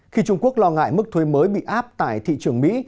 khi trung quốc lo ngại mức thuê mới bị áp tại thị trường mỹ